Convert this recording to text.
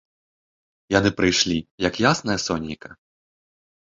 Яны прыйшлі, як яснае сонейка.